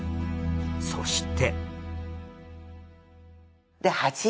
そして。